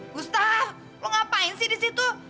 gusta lo ngapain sih di situ